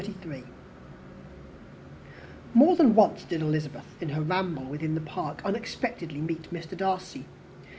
More than once did Elizabeth, in her ramble within the park, unexpectedly meet Mr. Darcy.